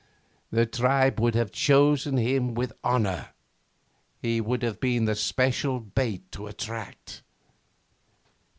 The tribe would have chosen him with honour. He would have been the special bait to attract.